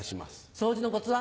掃除のコツは？